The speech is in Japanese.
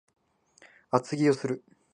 厚着をする